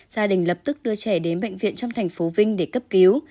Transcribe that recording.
gia đình lập tức đưa trẻ đến bệnh viện trong thành phố vinh để cấp cứu